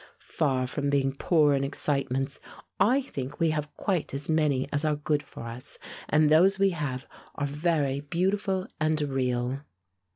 Far from being poor in excitements, I think we have quite as many as are good for us, and those we have are very beautiful and real."